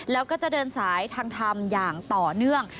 แล้วก็จะเดินสายทางธรรมอย่างต่อเนื่อง